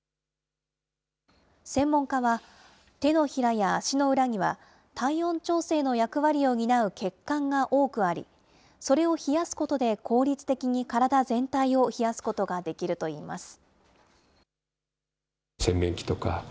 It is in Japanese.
専門家は、手のひらや足の裏には、体温調整の役割を担う血管が多くあり、それを冷やすことで効率的に体全体を冷やすことができるといいます。